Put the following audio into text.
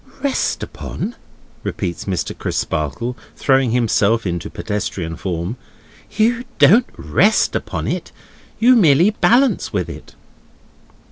"Rest upon?" repeats Mr. Crisparkle, throwing himself into pedestrian form. "You don't rest upon it; you merely balance with it."